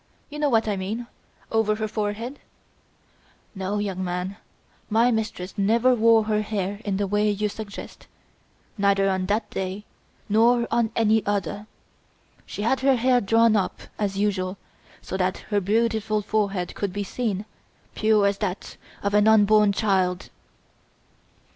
You know what I mean over her forehead?" "No, young man. My mistress never wore her hair in the way you suggest, neither on that day nor on any other. She had her hair drawn up, as usual, so that her beautiful forehead could be seen, pure as that of an unborn child!"